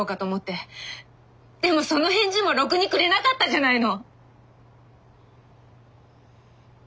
でもその返事もろくにくれなかったじゃないの！